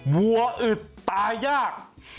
วัวอึดตายยาก